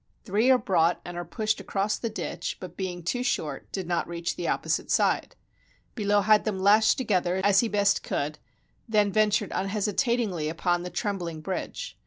Three are brought and are pushed across the ditch, but, being too short, did not reach the opposite side. Billot had them lashed together as he best could, and then ven tured unhesitatingly upon the trembling bridge.